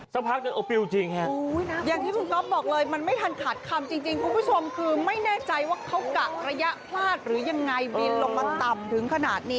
สักพักหนึ่งโอปิวจริงฮะอย่างที่คุณก๊อฟบอกเลยมันไม่ทันขาดคำจริงคุณผู้ชมคือไม่แน่ใจว่าเขากะระยะพลาดหรือยังไงบินลงมาต่ำถึงขนาดนี้